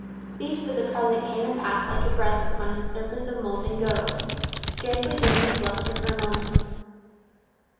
These, for the present, came and passed like a breath upon a surface of molten gold, scarcely dimming its lustre for a moment.